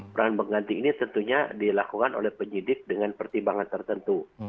peran pengganti ini tentunya dilakukan oleh penyidik dengan pertimbangan tertentu